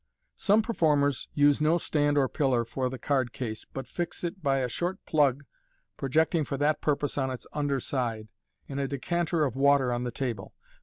Some performers use no stand or pillar for the card case, but fix it by a short plug projecting for that purpose on its under side, in a decanter of water on the table.